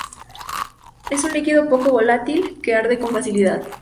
Es un líquido poco volátil que arde con facilidad.